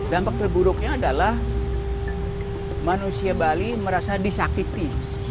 dampak terburuknya adalah manusia bali merasa disakiti